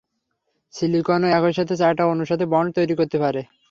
সিলিকনও একই সাথে চারটা অণুর সাথে বন্ড তৈরী করতে পারে।